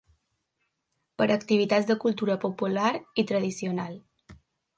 Per a activitats de cultura popular i tradicional.